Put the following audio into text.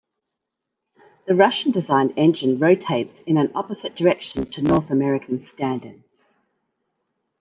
The Russian-designed engine rotates in an opposite direction to North American standards.